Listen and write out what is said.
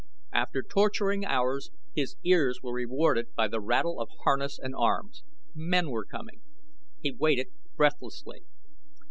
After torturing hours his ears were rewarded by the rattle of harness and arms. Men were coming! He waited breathlessly.